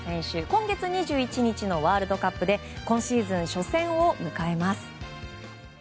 今月２１日のワールドカップで今シーズン初戦を迎えます。